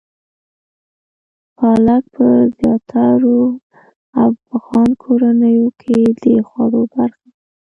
پالک په زیاترو افغان کورنیو کې د خوړو برخه وي.